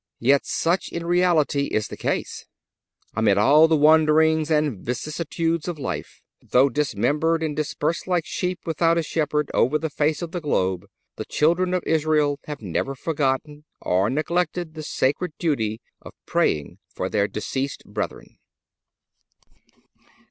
Yet such in reality is the case. Amid all the wanderings and vicissitudes of life, though dismembered and dispersed like sheep without a shepherd over the face of the globe, the children of Israel have never forgotten or neglected the sacred duty of praying for their deceased brethren.